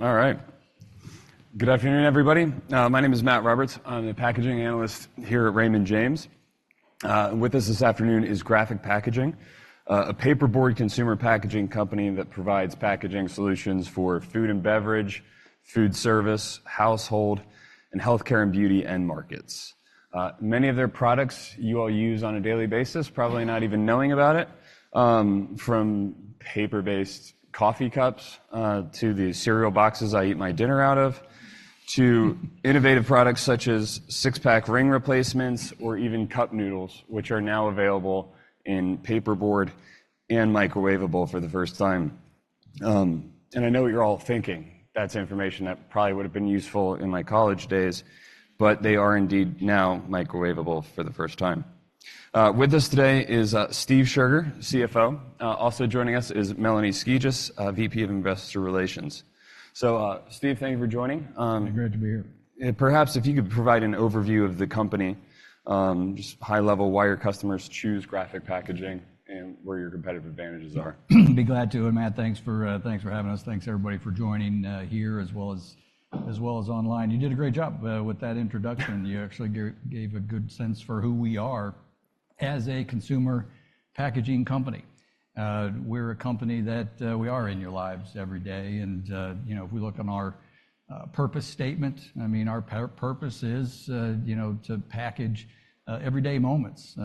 All right. Good afternoon, everybody. My name is Matt Roberts. I'm the packaging analyst here at Raymond James. With us this afternoon is Graphic Packaging, a paperboard consumer packaging company that provides packaging solutions for food and beverage, food service, household, and healthcare and beauty end markets. Many of their products you all use on a daily basis, probably not even knowing about it, from paper-based coffee cups, to the cereal boxes I eat my dinner out of, to innovative products such as six-pack ring replacements or even Cup Noodles, which are now available in paperboard and microwavable for the first time. And I know what you're all thinking. That's information that probably would have been useful in my college days, but they are indeed now microwavable for the first time. With us today is Steve Scherger, CFO. Also joining us is Melanie Skijus, VP of Investor Relations. Steve, thank you for joining. Hey, great to be here. Perhaps if you could provide an overview of the company, just high-level, why your customers choose Graphic Packaging and where your competitive advantages are. Be glad to. And Matt, thanks for having us. Thanks, everybody, for joining here as well as online. You did a great job with that introduction. You actually gave a good sense for who we are as a consumer packaging company. We're a company that we are in your lives every day. And, you know, if we look on our purpose statement, I mean, our purpose is, you know, to package everyday moments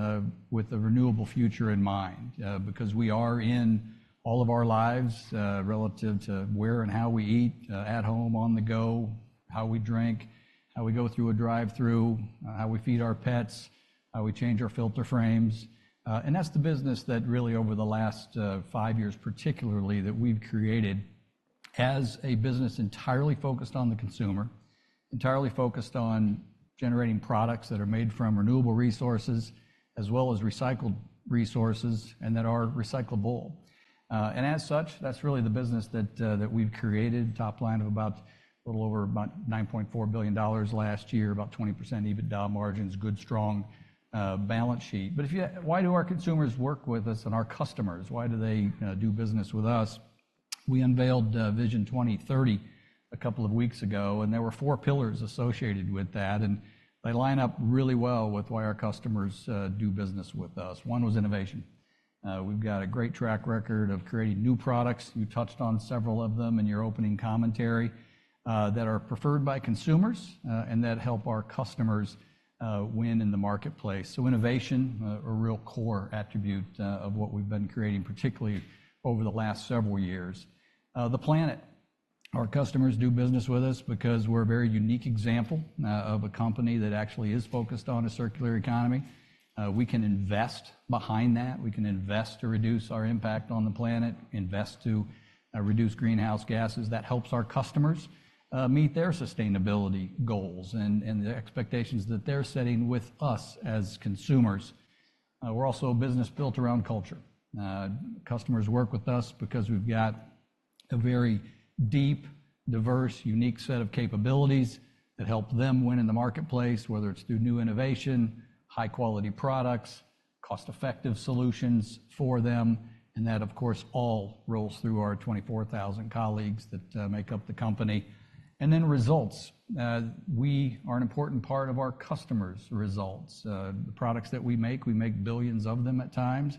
with a renewable future in mind, because we are in all of our lives, relative to where and how we eat, at home, on the go, how we drink, how we go through a drive-through, how we feed our pets, how we change our filter frames. That's the business that really, over the last five years particularly, that we've created as a business entirely focused on the consumer, entirely focused on generating products that are made from renewable resources as well as recycled resources and that are recyclable. And as such, that's really the business that, that we've created, top line of about a little over about $9.4 billion last year, about 20% EBITDA margins, good, strong balance sheet. But if you why do our consumers work with us and our customers? Why do they do business with us? We unveiled Vision 2030 a couple of weeks ago, and there were four pillars associated with that. And they line up really well with why our customers do business with us. One was innovation. We've got a great track record of creating new products. You touched on several of them in your opening commentary, that are preferred by consumers, and that help our customers win in the marketplace. So innovation, a real core attribute, of what we've been creating, particularly over the last several years. The planet. Our customers do business with us because we're a very unique example of a company that actually is focused on a circular economy. We can invest behind that. We can invest to reduce our impact on the planet, invest to reduce greenhouse gases. That helps our customers meet their sustainability goals and the expectations that they're setting with us as consumers. We're also a business built around culture. Customers work with us because we've got a very deep, diverse, unique set of capabilities that help them win in the marketplace, whether it's through new innovation, high-quality products, cost-effective solutions for them. And that, of course, all rolls through our 24,000 colleagues that make up the company. And then results. We are an important part of our customers' results. The products that we make, we make billions of them at times.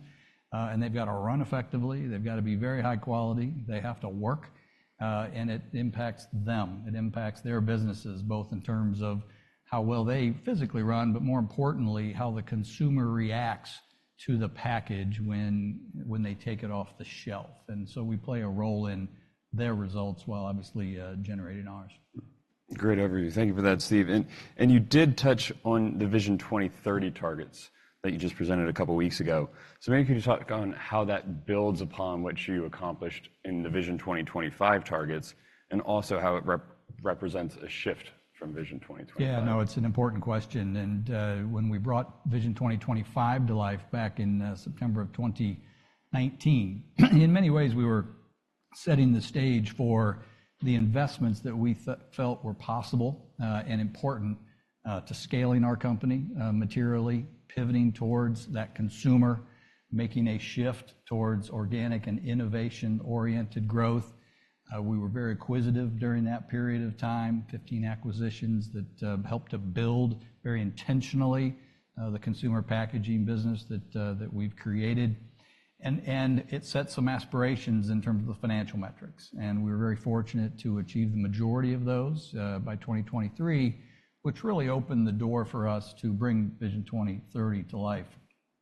And they've got to run effectively. They've got to be very high quality. They have to work. And it impacts them. It impacts their businesses, both in terms of how well they physically run, but more importantly, how the consumer reacts to the package when, when they take it off the shelf. And so we play a role in their results while, obviously, generating ours. Great overview. Thank you for that, Steve. And you did touch on the Vision 2030 targets that you just presented a couple of weeks ago. So maybe could you talk on how that builds upon what you accomplished in the Vision 2025 targets and also how it represents a shift from Vision 2025? Yeah. No, it's an important question. And, when we brought Vision 2025 to life back in September of 2019, in many ways, we were setting the stage for the investments that we thought felt were possible, and important, to scaling our company, materially, pivoting towards that consumer, making a shift towards organic and innovation-oriented growth. We were very acquisitive during that period of time, 15 acquisitions that helped to build very intentionally, the consumer packaging business that we've created. And it set some aspirations in terms of the financial metrics. And we were very fortunate to achieve the majority of those, by 2023, which really opened the door for us to bring Vision 2030 to life.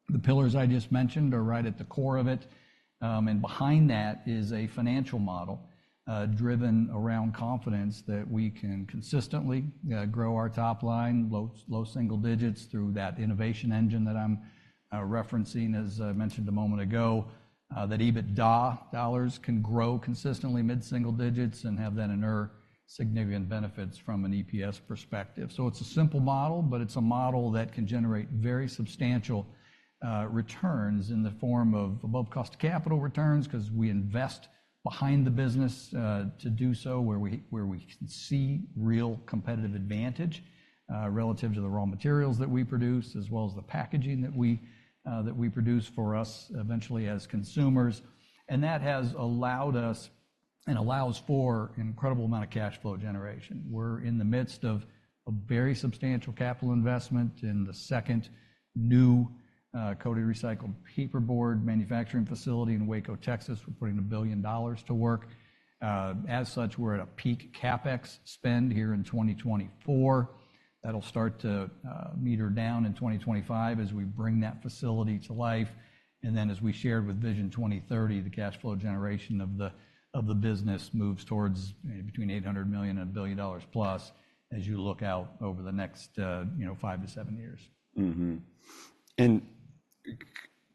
The pillars I just mentioned are right at the core of it. And behind that is a financial model, driven around confidence that we can consistently grow our top line low single digits through that innovation engine that I'm referencing, as I mentioned a moment ago, that EBITDA dollars can grow consistently mid-single digits and have then inherent significant benefits from an EPS perspective. So it's a simple model, but it's a model that can generate very substantial returns in the form of above cost of capital returns 'cause we invest behind the business to do so where we can see real competitive advantage, relative to the raw materials that we produce as well as the packaging that we produce for us eventually as consumers. And that has allowed us and allows for an incredible amount of cash flow generation. We're in the midst of a very substantial capital investment in the second new, coated recycled paperboard manufacturing facility in Waco, Texas. We're putting $1 billion to work. As such, we're at a peak CapEx spend here in 2024. That'll start to meter down in 2025 as we bring that facility to life. And then, as we shared with Vision 2030, the cash flow generation of the business moves towards, you know, between $800 million and $1 billion+ as you look out over the next, you know, five to seven years. And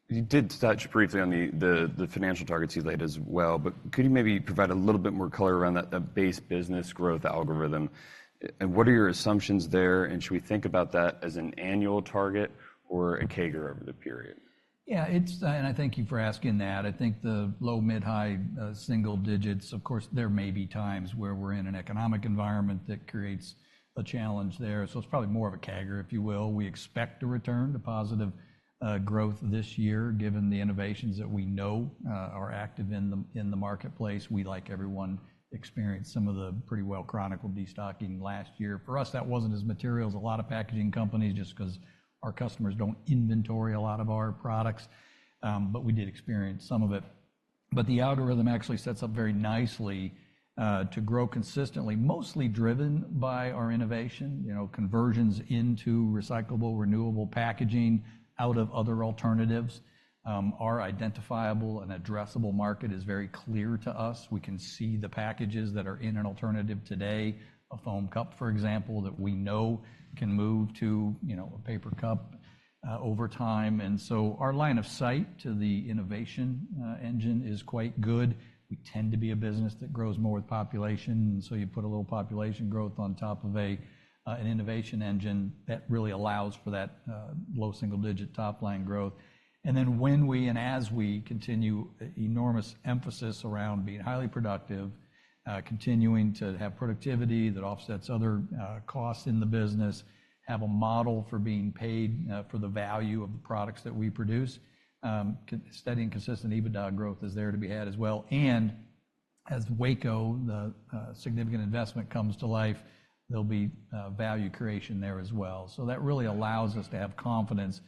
you did touch briefly on the financial targets you laid as well, but could you maybe provide a little bit more color around that base business growth algorithm? And what are your assumptions there? And should we think about that as an annual target or a CAGR over the period? Yeah. It's and I thank you for asking that. I think the low, mid, high, single digits, of course, there may be times where we're in an economic environment that creates a challenge there. So it's probably more of a CAGR, if you will. We expect a return, a positive, growth this year given the innovations that we know, are active in the in the marketplace. We, like everyone, experienced some of the pretty well-chronicled destocking last year. For us, that wasn't as material as a lot of packaging companies just 'cause our customers don't inventory a lot of our products. But we did experience some of it. But the algorithm actually sets up very nicely, to grow consistently, mostly driven by our innovation, you know, conversions into recyclable, renewable packaging out of other alternatives. Our identifiable and addressable market is very clear to us. We can see the packages that are in an alternative today, a foam cup, for example, that we know can move to, you know, a paper cup, over time. And so our line of sight to the innovation engine is quite good. We tend to be a business that grows more with population. And so you put a little population growth on top of an innovation engine that really allows for that low-single-digit top line growth. And then when we and as we continue an enormous emphasis around being highly productive, continuing to have productivity that offsets other costs in the business, have a model for being paid for the value of the products that we produce, resulting in consistent EBITDA growth is there to be had as well. And as Waco the significant investment comes to life, there'll be value creation there as well. So that really allows us to have confidence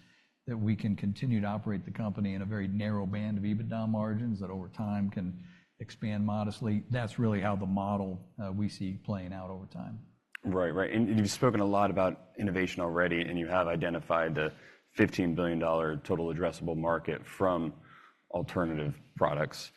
that we can continue to operate the company in a very narrow band of EBITDA margins that over time can expand modestly. That's really how the model we see playing out over time. Right. Right. And you've spoken a lot about innovation already, and you have identified the $15 billion total addressable market from alternative products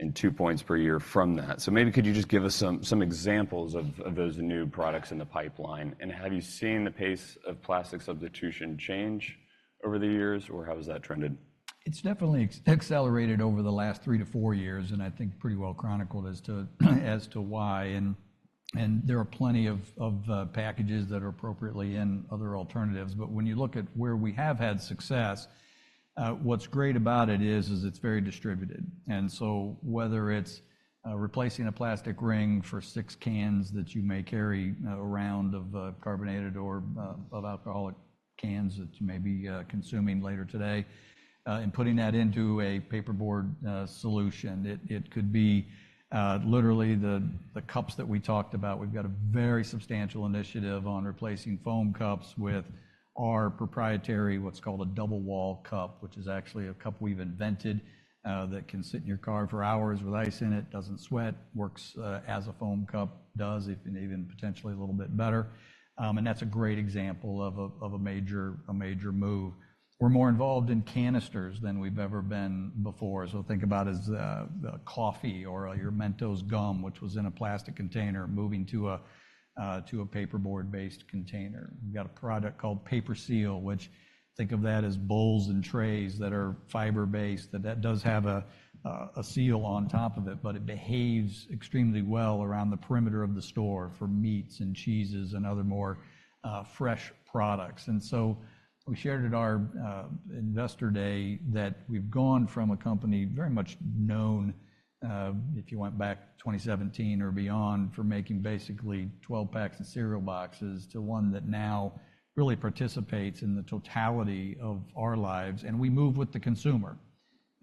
and 2 points per year from that. So maybe could you just give us some examples of those new products in the pipeline? And have you seen the pace of plastic substitution change over the years, or how has that trended? It's definitely accelerated over the last 3-4 years, and I think pretty well chronicled as to why. And there are plenty of packages that are appropriately in other alternatives. But when you look at where we have had success, what's great about it is it's very distributed. And so whether it's replacing a plastic ring for 6 cans that you may carry around of carbonated or of alcoholic cans that you may be consuming later today, and putting that into a paperboard solution, it could be literally the cups that we talked about. We've got a very substantial initiative on replacing foam cups with our proprietary, what's called a double-wall cup, which is actually a cup we've invented, that can sit in your car for hours with ice in it, doesn't sweat, works as a foam cup does, if even potentially a little bit better. That's a great example of a major move. We're more involved in canisters than we've ever been before. So think about it as the coffee or your Mentos gum, which was in a plastic container, moving to a paperboard-based container. We've got a product called PaperSeal, which think of that as bowls and trays that are fiber-based that does have a seal on top of it, but it behaves extremely well around the perimeter of the store for meats and cheeses and other more fresh products. And so we shared at our Investor Day that we've gone from a company very much known, if you went back to 2017 or beyond for making basically 12 packs of cereal boxes to one that now really participates in the totality of our lives. And we move with the consumer.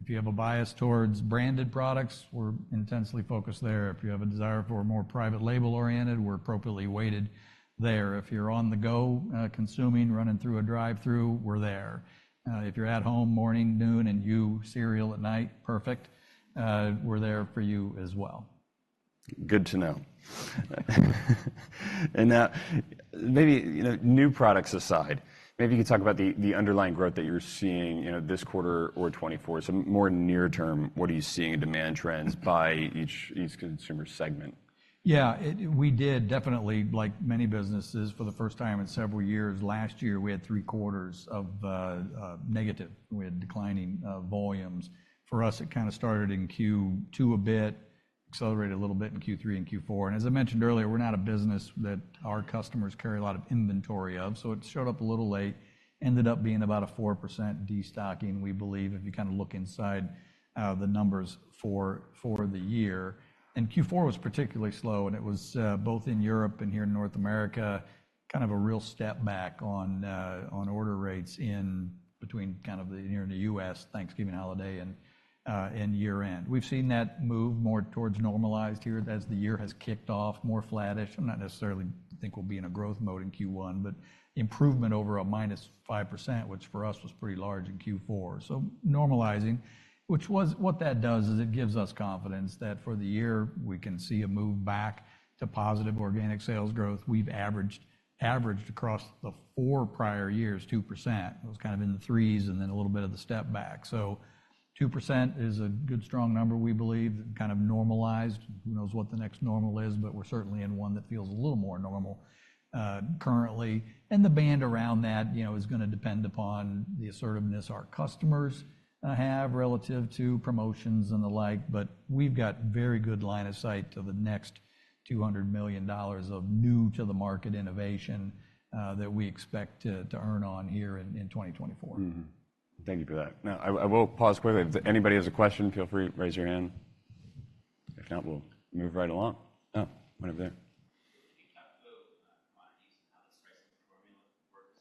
If you have a bias towards branded products, we're intensely focused there. If you have a desire for more private label-oriented, we're appropriately weighted there. If you're on the go, consuming, running through a drive-through, we're there. If you're at home morning, noon, and you eat cereal at night, perfect. We're there for you as well. Good to know. And now maybe, you know, new products aside, maybe you could talk about the underlying growth that you're seeing, you know, this quarter or 2024. So more in the near term, what are you seeing in demand trends by each consumer segment? Yeah, we did definitely, like many businesses, for the first time in several years. Last year, we had three quarters of negative. We had declining volumes. For us, it kind of started in Q2 a bit, accelerated a little bit in Q3 and Q4. And as I mentioned earlier, we're not a business that our customers carry a lot of inventory of. So it showed up a little late, ended up being about a 4% destocking, we believe, if you kind of look inside the numbers for the year. And Q4 was particularly slow, and it was both in Europe and here in North America, kind of a real step back on order rates in between kind of near the U.S. Thanksgiving holiday and year-end. We've seen that move more towards normalized here as the year has kicked off, more flattish. I don't necessarily think we'll be in a growth mode in Q1, but improvement over a -5%, which for us was pretty large in Q4. So normalizing, which was what that does is it gives us confidence that for the year, we can see a move back to positive organic sales growth. We've averaged across the four prior years 2%. It was kind of in the 3s and then a little bit of the step back. So 2% is a good, strong number, we believe, kind of normalized. Who knows what the next normal is, but we're certainly in one that feels a little more normal, currently. And the band around that, you know, is gonna depend upon the assertiveness our customers have relative to promotions and the like. We've got very good line of sight to the next $200 million of new-to-the-market innovation, that we expect to earn on here in 2024. Thank you for that. Now, I will pause quickly. If anybody has a question, feel free to raise your hand. If not, we'll move right along. Oh, one over there. Can you talk about commodities and how the pricing formula works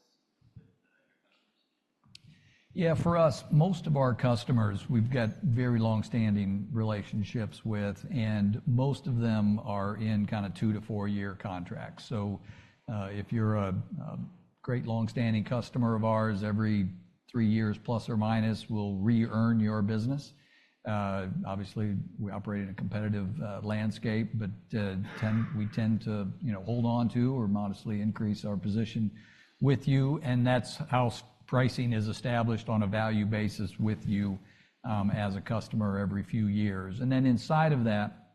with your customers? Yeah. For us, most of our customers, we've got very longstanding relationships with, and most of them are in kind of 2-4-year contracts. So, if you're a great longstanding customer of ours, every 3 years plus or minus, we'll re-earn your business. Obviously, we operate in a competitive landscape, but we tend to, you know, hold onto or modestly increase our position with you. And that's how pricing is established on a value basis with you, as a customer every few years. And then inside of that,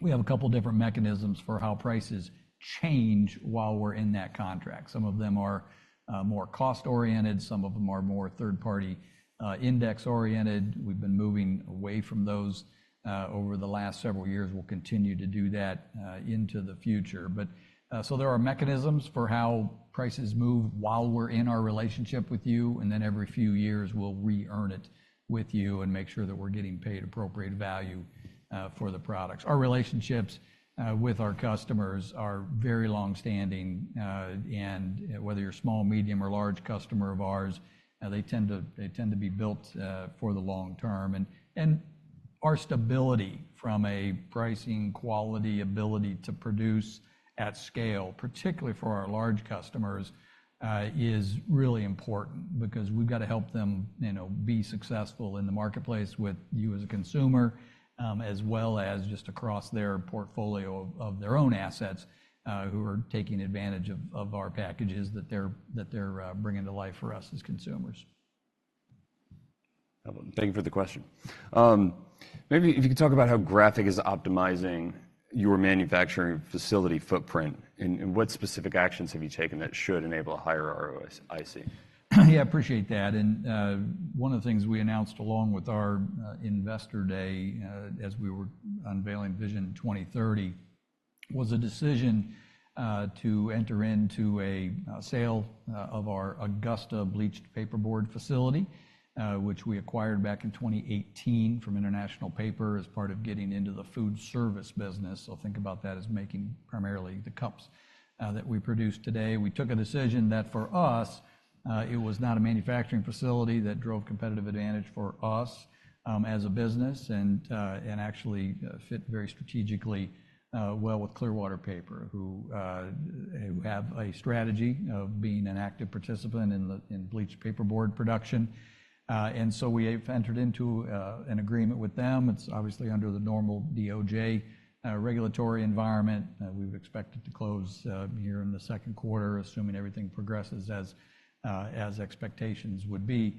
we have a couple different mechanisms for how prices change while we're in that contract. Some of them are more cost-oriented. Some of them are more third-party index-oriented. We've been moving away from those, over the last several years. We'll continue to do that, into the future. So there are mechanisms for how prices move while we're in our relationship with you. And then every few years, we'll re-earn it with you and make sure that we're getting paid appropriate value for the products. Our relationships with our customers are very longstanding, and whether you're a small, medium, or large customer of ours, they tend to be built for the long term. And our stability from a pricing, quality, ability to produce at scale, particularly for our large customers, is really important because we've gotta help them, you know, be successful in the marketplace with you as a consumer, as well as just across their portfolio of their own assets, who are taking advantage of our packages that they're bringing to life for us as consumers. Excellent. Thank you for the question. Maybe if you could talk about how Graphic is optimizing your manufacturing facility footprint and what specific actions have you taken that should enable a higher ROIC? Yeah. I appreciate that. And one of the things we announced along with our Investor Day, as we were unveiling Vision 2030, was a decision to enter into a sale of our Augusta bleached paperboard facility, which we acquired back in 2018 from International Paper as part of getting into the food service business. So think about that as making primarily the cups that we produce today. We took a decision that for us, it was not a manufacturing facility that drove competitive advantage for us, as a business and actually fit very strategically well with Clearwater Paper, who have a strategy of being an active participant in the bleached paperboard production. And so we have entered into an agreement with them. It's obviously under the normal DOJ regulatory environment. We've expected to close here in the second quarter, assuming everything progresses as expectations would be.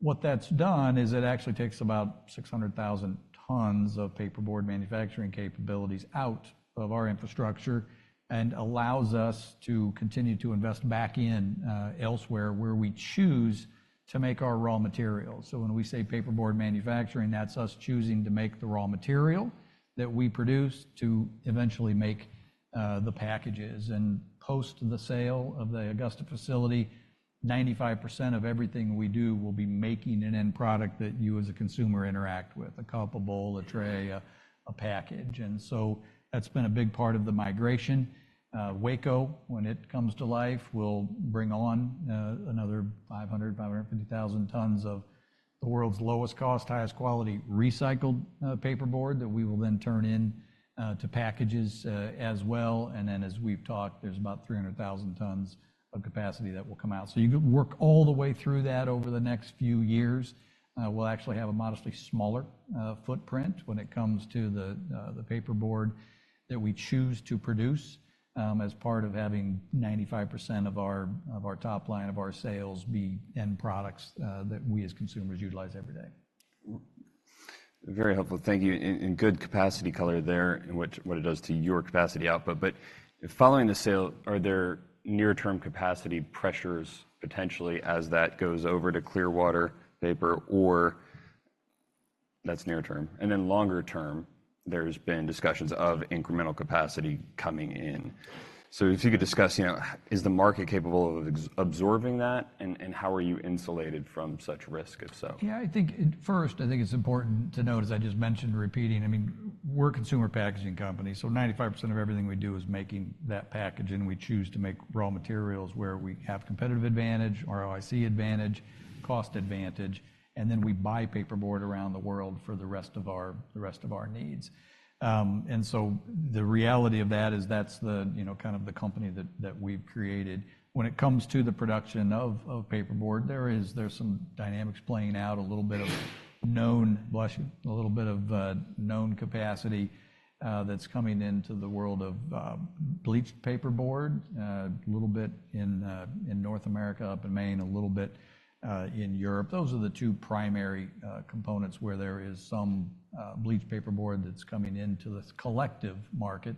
What that's done is it actually takes about 600,000 tons of paperboard manufacturing capabilities out of our infrastructure and allows us to continue to invest back in, elsewhere where we choose to make our raw materials. So when we say paperboard manufacturing, that's us choosing to make the raw material that we produce to eventually make the packages. And post the sale of the Augusta facility, 95% of everything we do will be making an end product that you as a consumer interact with, a cup, a bowl, a tray, a package. And so that's been a big part of the migration. Waco, when it comes to life, will bring on another 500,000-550,000 tons of the world's lowest cost, highest quality recycled paperboard that we will then turn into packages, as well. And then as we've talked, there's about 300,000 tons of capacity that will come out. So you could work all the way through that over the next few years. We'll actually have a modestly smaller footprint when it comes to the paperboard that we choose to produce, as part of having 95% of our top line of our sales be end products that we as consumers utilize every day. Very helpful. Thank you. And good capacity color there in what it does to your capacity output. But following the sale, are there near-term capacity pressures potentially as that goes over to Clearwater Paper, or that's near-term? And then longer term, there's been discussions of incremental capacity coming in. So if you could discuss, you know, is the market capable of absorbing that, and how are you insulated from such risk, if so? Yeah. I think first, I think it's important to note, as I just mentioned, I mean, we're a consumer packaging company. So 95% of everything we do is making that package. We choose to make raw materials where we have competitive advantage, ROIC advantage, cost advantage. And then we buy paperboard around the world for the rest of our needs. So the reality of that is that's the, you know, kind of the company that, that we've created. When it comes to the production of paperboard, there's some dynamics playing out, a little bit of known bleached, a little bit of known capacity, that's coming into the world of bleached paperboard, a little bit in North America, up in Maine, a little bit in Europe. Those are the two primary components where there is some bleached paperboard that's coming into the collective market.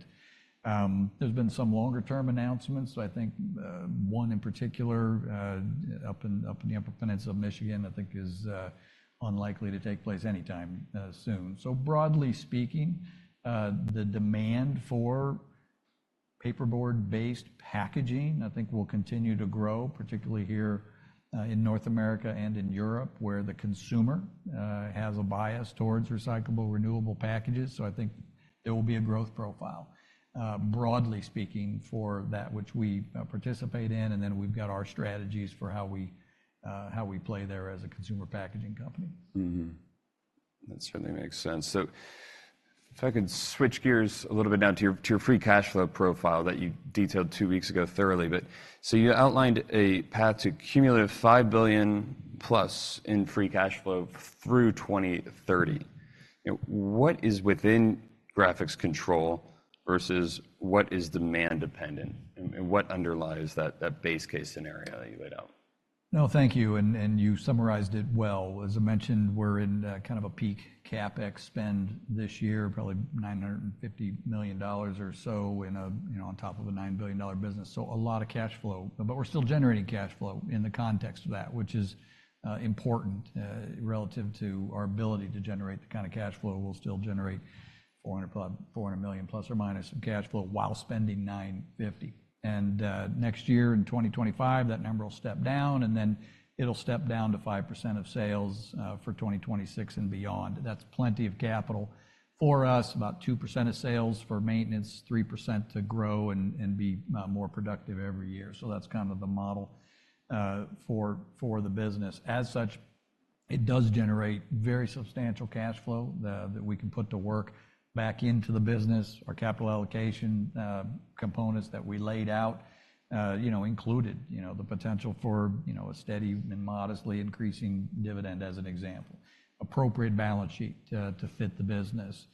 There's been some longer-term announcements. I think one in particular, up in the Upper Peninsula of Michigan, I think is unlikely to take place anytime soon. So broadly speaking, the demand for paperboard-based packaging, I think, will continue to grow, particularly here in North America and in Europe where the consumer has a bias towards recyclable, renewable packages. So I think there will be a growth profile, broadly speaking, for that which we participate in. And then we've got our strategies for how we play there as a consumer packaging company. That certainly makes sense. So if I could switch gears a little bit now to your free cash flow profile that you detailed two weeks ago thoroughly. But so you outlined a path to cumulative $5 billion+ in free cash flow through 2030. You know, what is within Graphic's control versus what is demand-dependent? And what underlies that base case scenario that you laid out? No, thank you. And you summarized it well. As I mentioned, we're in kind of a peak CapEx spend this year, probably $950 million or so, you know, on top of a $9 billion business. So a lot of cash flow. But we're still generating cash flow in the context of that, which is important, relative to our ability to generate the kind of cash flow we'll still generate $400 million plus or minus some cash flow while spending $950 million. And next year in 2025, that number will step down. And then it'll step down to 5% of sales for 2026 and beyond. That's plenty of capital for us, about 2% of sales for maintenance, 3% to grow and be more productive every year. So that's kind of the model for the business. As such, it does generate very substantial cash flow that we can put to work back into the business. Our capital allocation components that we laid out, you know, included, you know, the potential for, you know, a steady and modestly increasing dividend, as an example, appropriate balance sheet to fit the business.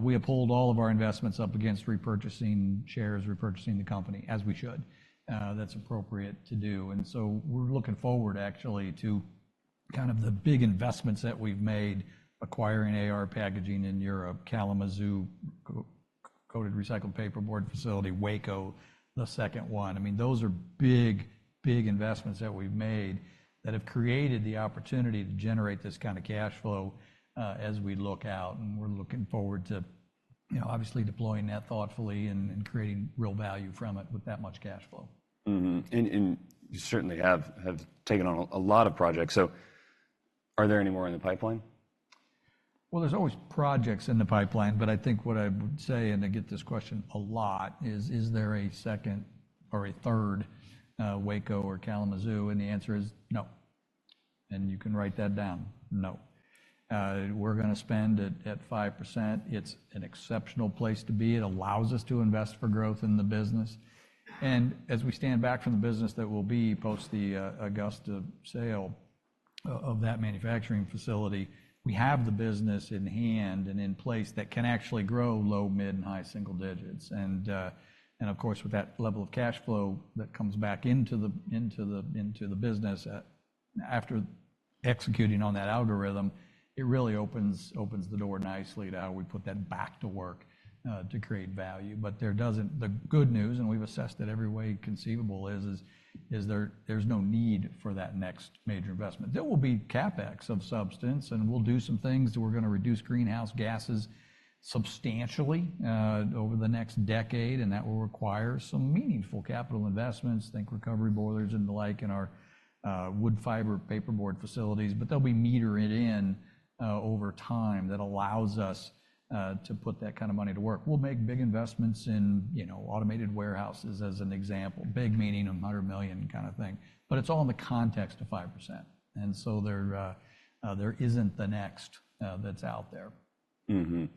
We have pulled all of our investments up against repurchasing shares, repurchasing the company as we should. That's appropriate to do. And so we're looking forward, actually, to kind of the big investments that we've made, acquiring AR Packaging in Europe, Kalamazoo coated recycled paperboard facility, Waco, the second one. I mean, those are big, big investments that we've made that have created the opportunity to generate this kind of cash flow, as we look out. We're looking forward to, you know, obviously deploying that thoughtfully and creating real value from it with that much cash flow. And you certainly have taken on a lot of projects. So are there any more in the pipeline? Well, there's always projects in the pipeline. But I think what I would say, and I get this question a lot, is, is there a second or a third Waco or Kalamazoo? And the answer is no. And you can write that down. No. We're gonna spend at 5%. It's an exceptional place to be. It allows us to invest for growth in the business. And as we stand back from the business that will be post the Augusta sale of that manufacturing facility, we have the business in hand and in place that can actually grow low, mid, and high single digits. And of course, with that level of cash flow that comes back into the business after executing on that algorithm, it really opens the door nicely to how we put that back to work to create value. But the good news is, we've assessed it every way conceivable. There is no need for that next major investment. There will be CapEx of substance. And we'll do some things that we're gonna reduce greenhouse gases substantially, over the next decade. And that will require some meaningful capital investments, think recovery boilers and the like in our wood fiber paperboard facilities. But they'll be metered in, over time that allows us to put that kind of money to work. We'll make big investments in, you know, automated warehouses as an example, big meaning $100 million kind of thing. But it's all in the context of 5%. And so there isn't the next that's out there. And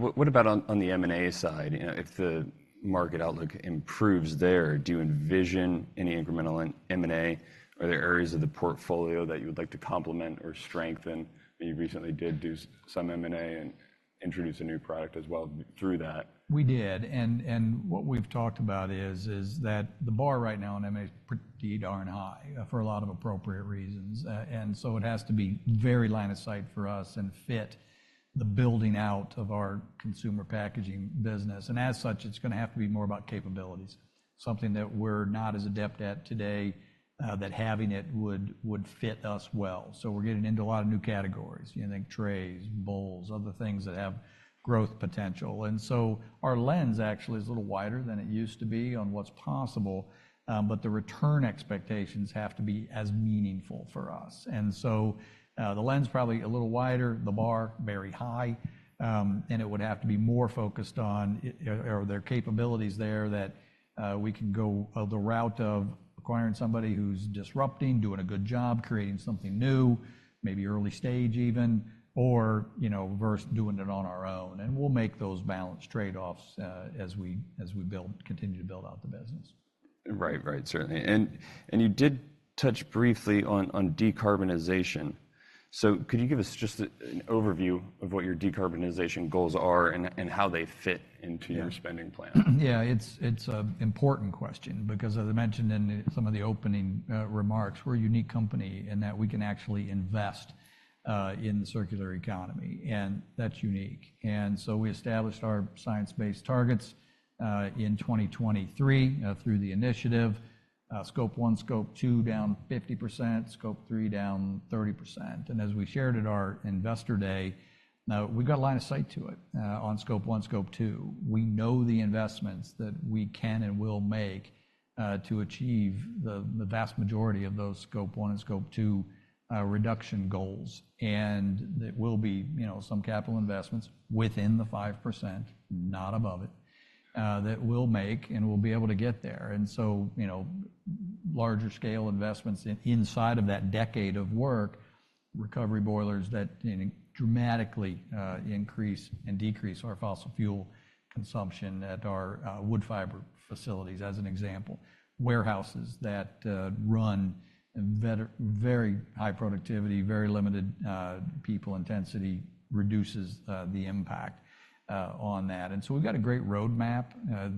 what, what about on, on the M&A side? You know, if the market outlook improves there, do you envision any incremental M&A? Are there areas of the portfolio that you would like to complement or strengthen? I mean, you recently did do some M&A and introduce a new product as well through that. We did. And what we've talked about is that the bar right now on M&A is pretty darn high, for a lot of appropriate reasons. And so it has to be very line of sight for us and fit the building out of our consumer packaging business. And as such, it's gonna have to be more about capabilities, something that we're not as adept at today, that having it would fit us well. So we're getting into a lot of new categories, you know, think trays, bowls, other things that have growth potential. And so our lens actually is a little wider than it used to be on what's possible. But the return expectations have to be as meaningful for us. And so, the lens probably a little wider, the bar very high. It would have to be more focused on, or there are capabilities there that we can go the route of acquiring somebody who's disrupting, doing a good job, creating something new, maybe early stage even, or, you know, versus doing it on our own. We'll make those balanced trade-offs as we build, continue to build out the business. Right. Right. Certainly. And you did touch briefly on decarbonization. So could you give us just an overview of what your decarbonization goals are and how they fit into your spending plan? Yeah. Yeah. It's an important question because, as I mentioned in some of the opening remarks, we're a unique company in that we can actually invest in the circular economy. And that's unique. And so we established our science-based targets in 2023 through the initiative, Scope 1, Scope 2 down 50%, Scope 3 down 30%. And as we shared at our Investor Day, now we've got a line of sight to it on Scope 1, Scope 2. We know the investments that we can and will make to achieve the vast majority of those Scope 1 and Scope 2 reduction goals. And there will be, you know, some capital investments within the 5%, not above it, that we'll make and we'll be able to get there. And so, you know, larger scale investments inside of that decade of work, recovery boilers that, you know, dramatically increase and decrease our fossil fuel consumption at our wood fiber facilities, as an example, warehouses that run and better very high productivity, very limited people intensity reduces the impact on that. And so we've got a great roadmap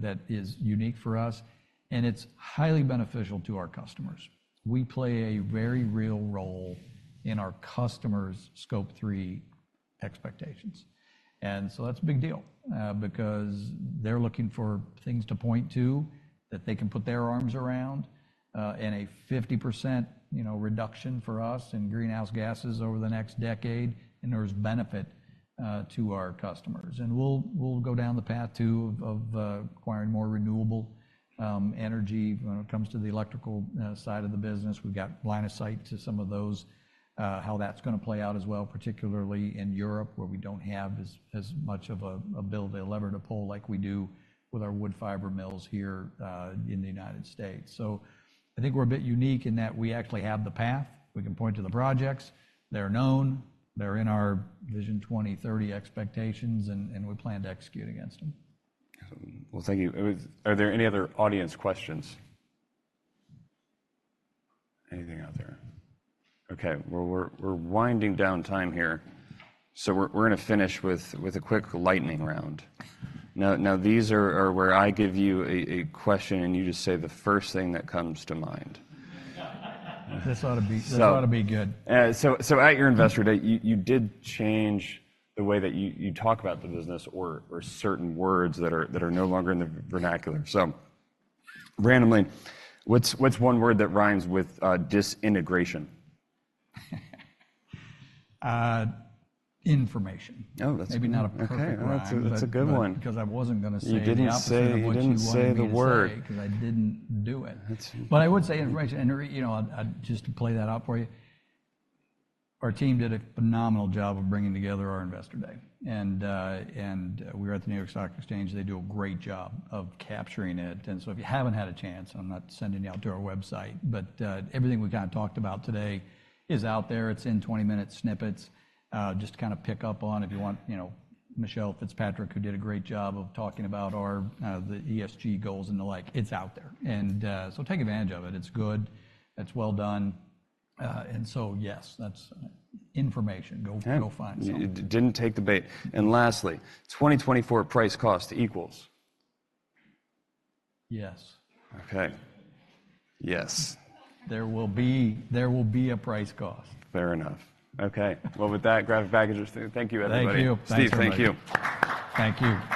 that is unique for us. And it's highly beneficial to our customers. We play a very real role in our customers' Scope 3 expectations. And so that's a big deal, because they're looking for things to point to that they can put their arms around, and a 50% you know reduction for us in greenhouse gases over the next decade. And there's benefit to our customers. And we'll, we'll go down the path too of, of acquiring more renewable energy when it comes to the electrical side of the business. We've got line of sight to some of those, how that's gonna play out as well, particularly in Europe where we don't have as much of a lever to pull like we do with our wood fiber mills here, in the United States. So I think we're a bit unique in that we actually have the path. We can point to the projects. They're known. They're in our Vision 2030 expectations. And we plan to execute against them. Well, thank you. Are there any other audience questions? Anything out there? Okay. Well, we're winding down time here. So we're gonna finish with a quick lightning round. Now these are where I give you a question, and you just say the first thing that comes to mind. This oughta be good. So at your Investor Day, you did change the way that you talk about the business or certain words that are no longer in the vernacular. So randomly, what's one word that rhymes with disintegration? information. Oh, that's a good one. Maybe not a perfect rhyme. Okay. Well, that's a good one. 'Cause I wasn't gonna say the word. You didn't say what you wanted to say. 'Cause I didn't do it. That's a good one. But I would say information. And, you know, I'd just play that out for you. Our team did a phenomenal job of bringing together our Investor Day. And we were at the New York Stock Exchange. They do a great job of capturing it. And so if you haven't had a chance, I'm not sending you out to our website. But everything we kinda talked about today is out there. It's in 20-minute snippets, just to kinda pick up on if you want, you know, Michelle Fitzpatrick, who did a great job of talking about our the ESG goals and the like. It's out there. And so take advantage of it. It's good. It's well done. And so yes, that's information. Go find something. It didn't take the bait. Lastly, 2024 price cost equals? Yes. Okay. Yes. There will be a price cost. Fair enough. Okay. Well, with that, Graphic Packaging, thank you, everybody. Thank you. Steve, thank you. Thank you.